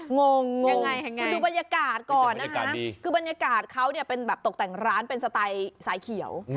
งงยังไงคุณดูบรรยากาศก่อนนะคะคือบรรยากาศเขาเนี่ยเป็นแบบตกแต่งร้านเป็นสไตล์สายเขียว